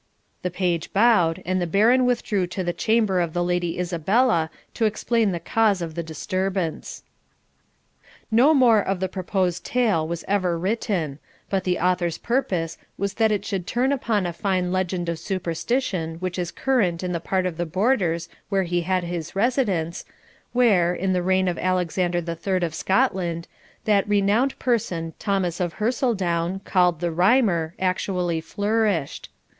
The page bowed, and the Baron withdrew to the chamber of the Lady Isabella to explain the cause of the disturbance. No more of the proposed tale was ever written; but the Author's purpose was that it should turn upon a fine legend of superstition which is current in the part of the Borders where he had his residence, where, in the reign of Alexander III of Scotland, that renowned person Thomas of Hersildoune, called the Rhymer, actually flourished.